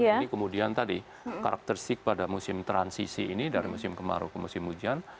kemudian tadi karakteristik pada musim transisi ini dari musim kemarau ke musim hujan